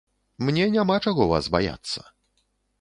Мне няма чаго вас баяцца.